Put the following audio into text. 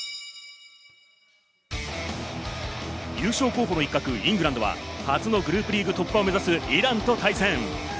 優勝候補の一角・イングランドは初のグループリーグ突破を目指すイランと対戦。